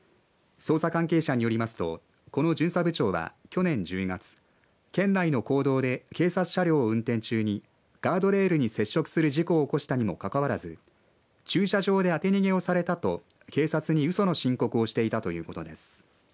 捜査関係者によりますとこの巡査部長は、去年１２月県内の公道で警察車両を運転中にガードレールに接触する事故を起こしたにもかかわらず駐車場で当て逃げをされたと警察にうその申告をしていたということです。